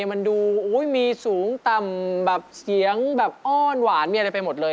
มันดูมีสูงต่ำแบบเสียงแบบอ้อนหวานมีอะไรไปหมดเลย